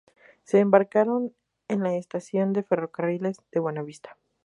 Se embarcaron en la estación de ferrocarriles de Buenavista.